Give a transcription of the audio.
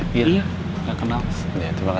pernah liat perempuan ini di sekitar sini